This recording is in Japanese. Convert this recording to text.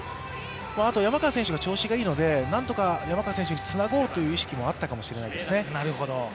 あと山川選手が調子がいいのでなんとか山川選手につなごうという意識もあったかもしれないですね。